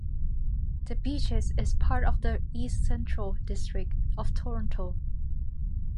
The Beaches is part of the east-central district of Toronto.